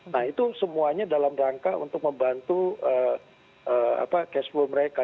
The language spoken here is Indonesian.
nah itu semuanya dalam rangka untuk membantu cashflow mereka